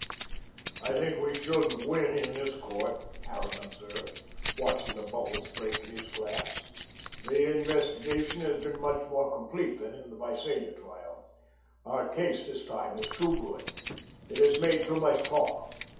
"I think we should win in this court," Harran observed, watching the bubbles break in his glass. "The investigation has been much more complete than in the Visalia trial. Our case this time is too good. It has made too much talk.